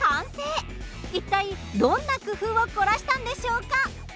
一体どんな工夫を凝らしたんでしょうか？